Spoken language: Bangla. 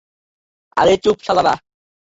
আরে চুপ শালারা!